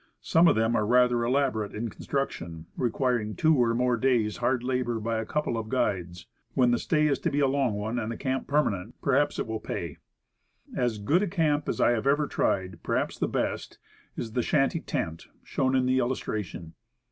Some of them are rather elaborate in construction, requiring The Shanty Tent. 31 two or more days' hard labor by a couple of guides. When the stay is to be a long one, and the camp per manent, perhaps it will pay. As good a camp as I have ever tried perhaps the best is the "shanty tent," shown in the illustration.